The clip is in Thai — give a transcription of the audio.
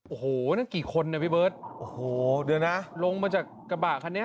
โอ้โหนั่นกี่คนนะพี่เบิร์ตโอ้โหเดี๋ยวนะลงมาจากกระบะคันนี้